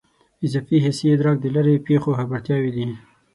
اضافي حسي ادراک د لیرې پېښو خبرتیاوې دي.